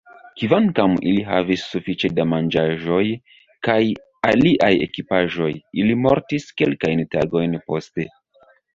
Kvankam ili havis sufiĉe da manĝaĵoj kaj aliaj ekipaĵoj, ili mortis kelkajn tagojn poste.